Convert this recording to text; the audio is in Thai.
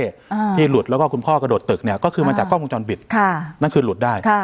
อ่าที่หลุดแล้วก็คุณพ่อกระโดดตึกเนี้ยก็คือมาจากกล้องวงจรปิดค่ะนั่นคือหลุดได้ค่ะ